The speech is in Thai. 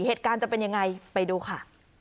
เหตุการณ์จะเป็นยังไงไปดูค่ะ